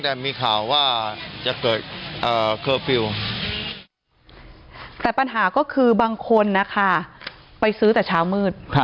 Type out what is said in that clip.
แต่ปัญหาก็คือบางคนนะคะไปซื้อแต่เช้ามืด